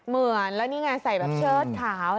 เหมือนแล้วนี่ไงใส่แบบเชิดขาว